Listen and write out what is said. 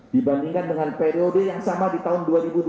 dibandingkan dengan periode yang sama di tahun dua ribu dua puluh